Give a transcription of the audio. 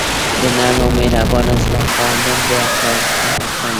د نرم او مهربانه زړه خاوندان بې عقله او احمقان ندي.